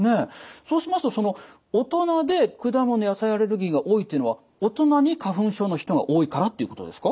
そうしますと大人で果物・野菜アレルギーが多いというのは大人に花粉症の人が多いからということですか？